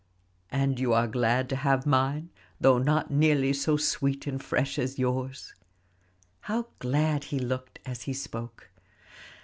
"And you are glad to have mine? though not nearly so sweet and fresh as yours." How glad he looked as he spoke.